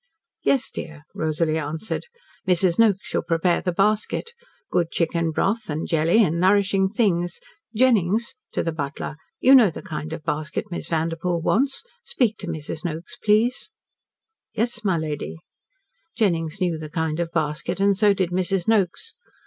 "Yes, dear," Rosalie answered. "Mrs. Noakes shall prepare the basket. Good chicken broth, and jelly, and nourishing things. Jennings," to the butler, "you know the kind of basket Miss Vanderpoel wants. Speak to Mrs. Noakes, please." "Yes, my lady," Jennings knew the kind of basket and so did Mrs. Noakes.